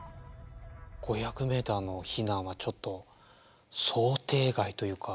５００ｍの避難はちょっと想定外というか。